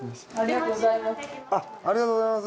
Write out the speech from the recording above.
ありがとうございます。